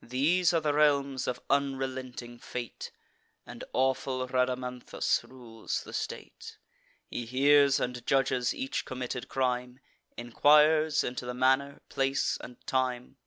These are the realms of unrelenting fate; And awful Rhadamanthus rules the state. He hears and judges each committed crime; Enquires into the manner, place, and time.